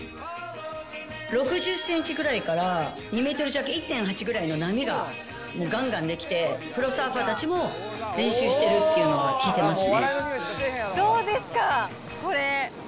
６０センチぐらいから２メートル弱、１．８ぐらいの波ががんがん出来て、プロサーファーたちも練習しどうですか、これ。